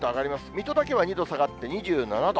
水戸だけは２度下がって２７度。